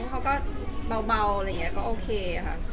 เขาก็เบาแบบนี้ก็โอเคค่ะ